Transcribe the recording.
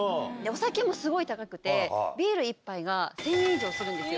お酒もすごい高くて、ビール１杯が１０００円以上するんです。